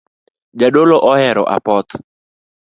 Jadolo ohero apoth